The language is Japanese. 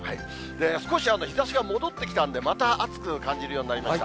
少し日ざしが戻ってきたんで、また暑く感じるようになりました。